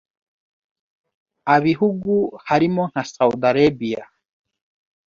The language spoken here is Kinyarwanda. abihugu harimo nka Saudi Arabia.